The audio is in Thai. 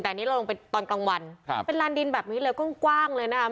แต่อันนี้เราลงไปตอนกลางวันครับเป็นลานดินแบบนี้เลยกว้างเลยนะครับ